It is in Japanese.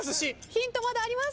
ヒントまだあります。